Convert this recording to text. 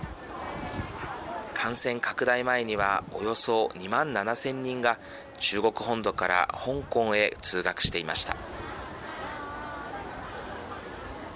感染拡大前にはおよそ２万７０００人が中国本土から香港へ通学していました。